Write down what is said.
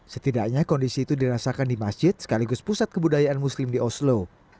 setidaknya kondisi itu dirasakan di masjid sekaligus pusat kebudayaan muslim di oslo